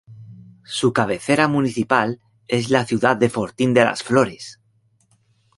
Su cabecera municipal es la ciudad de Fortín de las Flores.